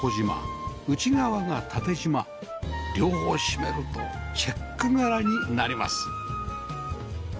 両方閉めるとチェック柄になります